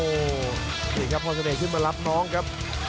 นี่ครับพ่อสเตะขึ้นมารับน้องครับ